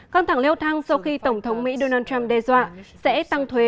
căng thẳng leo thăng sau khi tổng thống mỹ donald trump đe dọa sẽ tăng thuế